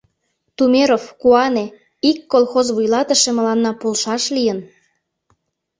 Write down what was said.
Тумеров, куане: ик колхоз вуйлатыше мыланна полшаш лийын...